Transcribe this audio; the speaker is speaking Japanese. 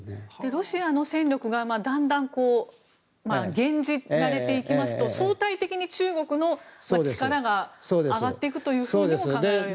ロシアの戦力が減じられていきますと相対的に中国の力が上がっていくというふうにも考えられる。